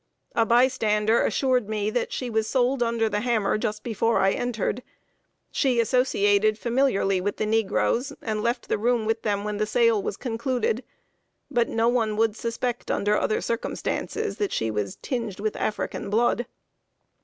A by stander assured me that she was sold under the hammer, just before I entered. She associated familiarly with the negroes, and left the room with them when the sale was concluded; but no one would suspect, under other circumstances, that she was tinged with African blood.